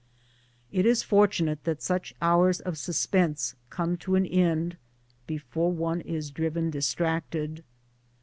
It is fortunate that such hours of sus pense come to an end before one is driven distracted.